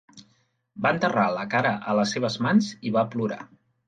Va enterrar la cara a les seves mans i va plorar.